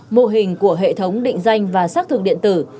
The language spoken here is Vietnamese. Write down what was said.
mô hình của hệ thống định danh và xác thực điện tử